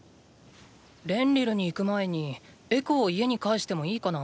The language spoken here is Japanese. レンリルに行く前にエコを家に帰してもいいかな？